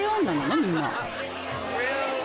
みんな。